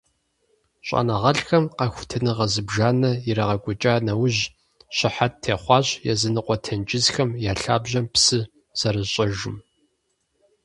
Щӏэныгъэлӏхэм къэхутэныгъэ зыбжанэ ирагъэкӏуэкӏа нэужь, щыхьэт техъуащ языныкъуэ тенджызхэм я лъабжьэм псы зэрыщӏэжым.